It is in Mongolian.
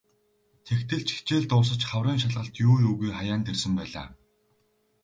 Тэгтэл ч хичээл дуусаж хаврын шалгалт юу юугүй хаяанд ирсэн байлаа.